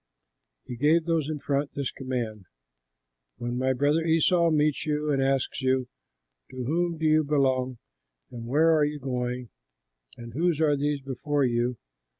He gave those in front this command: "When my brother Esau meets you and asks you, 'To whom do you belong? and where are you going? and whose are these before you?'